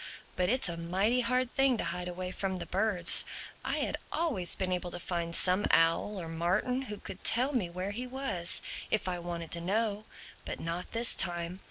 But it's a mighty hard thing to hide away from the birds. I had always been able to find some owl or martin who could tell me where he was—if I wanted to know. But not this time.